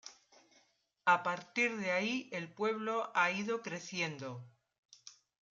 A partir de ahí el pueblo ha ido creciendo.